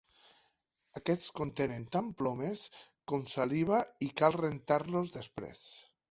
Aquests contenen tant plomes com saliva i cal rentar-los després.